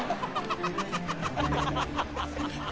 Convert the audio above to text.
ハハハハ！